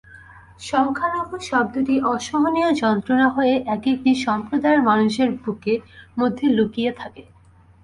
সংখ্যালঘু শব্দটি অসহনীয় যন্ত্রণা হয়ে এক-একটি সম্প্রদায়ের মানুষের বুকের মধ্যে লুকিয়ে থাকে।